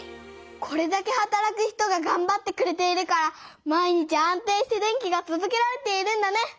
これだけはたらく人ががんばってくれているから毎日安定して電気がとどけられているんだね。